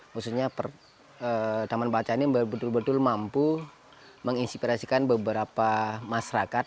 maksudnya taman baca ini betul betul mampu menginspirasikan beberapa masyarakat